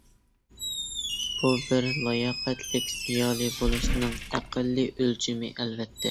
بۇ بىر لاياقەتلىك زىيالىي بولۇشنىڭ ئەقەللىي ئۆلچىمى، ئەلۋەتتە.